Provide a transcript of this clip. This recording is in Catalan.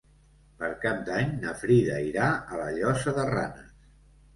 Per Cap d'Any na Frida irà a la Llosa de Ranes.